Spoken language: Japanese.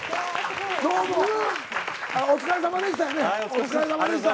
お疲れさまでした。